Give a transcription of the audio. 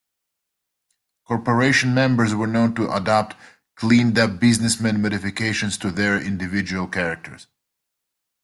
Corporation members were known to adopt "cleaned-up businessmen" modifications to their individual characters.